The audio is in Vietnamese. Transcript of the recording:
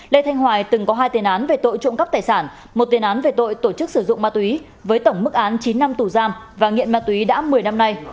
lê thanh hoài từng có hai tiền án về tội trộm cắp tài sản một tiền án về tội tổ chức sử dụng ma túy với tổng mức án chín năm tù giam và nghiện ma túy đã một mươi năm nay